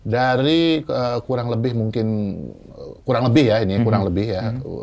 dari kurang lebih mungkin kurang lebih ya ini kurang lebih ya